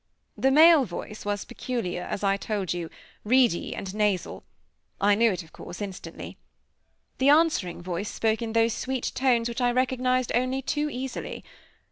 The male voice was peculiar; it was, as I told you, reedy and nasal. I knew it, of course, instantly. The answering voice spoke in those sweet tones which I recognized only too easily.